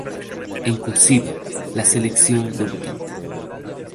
En "cursiva" la selección debutante.